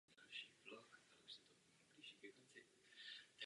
Jiří Silný.